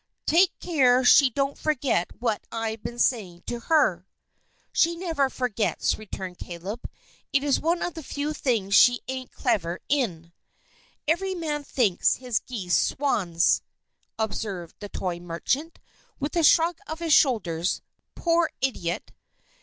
"Take care she don't forget what I've been saying to her." "She never forgets," returned Caleb; "it's one of the few things she ain't clever in." "'Every man thinks his geese swans'," observed the toy merchant, with a shrug of his shoulders. "Poor idiot!"